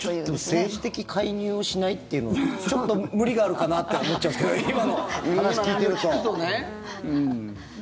政治的介入をしないっていうのはちょっと無理があるかなって思っちゃうんですけど今の話聞いていると。